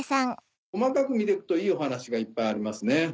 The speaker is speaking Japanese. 細かく見て行くといいお話がいっぱいありますね。